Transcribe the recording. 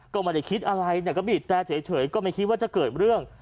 ก็ไม่ได้คิดอะไรก็บีบแต่เฉยก็ไม่คิดว่าจะเกิดเรื่อง